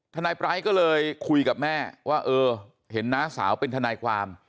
นายปร้ายก็เลยคุยกับแม่ว่าเออเห็นน้าสาวเป็นทนายความ